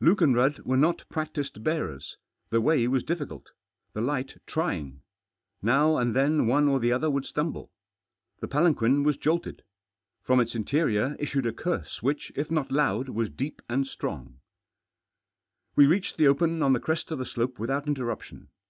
Luke and Rudd were not practised beards. The Way wals difficult. The light trying. Now and tiien One or the other would stumble. The palanquin was joltfed. From its interior issued a curse which, if hot loud, was deep and strong; We reached the open on the crest of the slope without irtterruptioh.